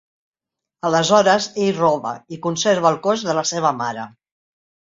Aleshores ell roba i conserva el cos de la seva mare.